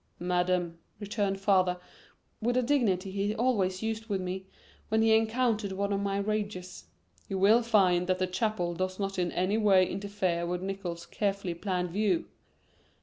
"Madam," returned father, with a dignity he always used with me when he encountered one of my rages, "you will find that the chapel does not in any way interfere with Nickols' carefully planned view.